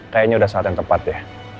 kayaknya udah saat yang tepat ya